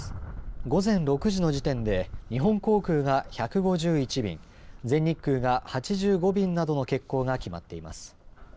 午前６時の時点で日本航空が１５１便全日空が８５便などの欠航が決まっています。